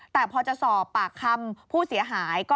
แต่พอจะสอบปากคำผู้เสียหาย